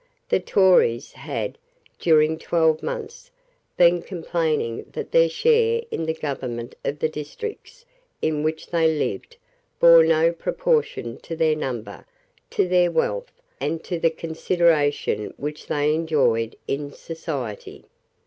The Tories had, during twelve months, been complaining that their share in the government of the districts in which they lived bore no proportion to their number, to their wealth, and to the consideration which they enjoyed in society.